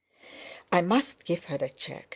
"I must give her a cheque!"